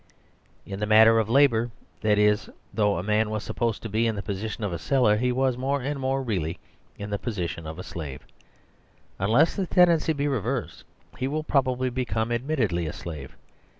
In the matter of labour, that is, though a man was supposed to be in the position of a seller, he was more and more really in the possession of a slave. Unless the tendency be reversed, he will probably become admit tedly a slave.